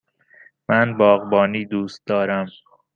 من باغبانی دوست دارم.